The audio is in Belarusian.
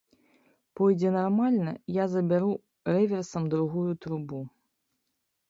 Пойдзе нармальна, я забяру рэверсам другую трубу.